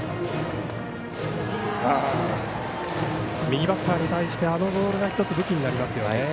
右バッターに対してあのボールが１つ武器になりますね。